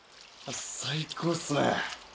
最高っすね。